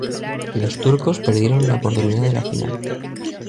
Los turcos perdieron la oportunidad de la final.